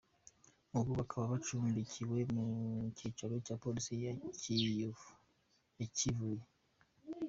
Ubu bakaba bacumbikiwe ku cyicaro cya Polisi ya Kivuye.